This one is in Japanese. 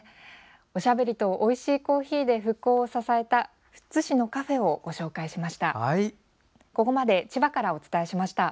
おしゃべりとおいしいコーヒーで復興を支えた富津市のカフェをご紹介しました。